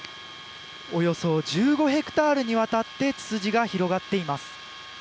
およそ１５ヘクタールにわたってツツジが広がっています。